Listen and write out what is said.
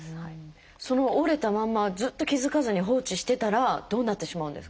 その折れたまんまずっと気付かずに放置してたらどうなってしまうんですか？